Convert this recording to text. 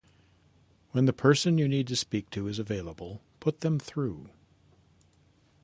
When the person you need to speak to is available, put them through.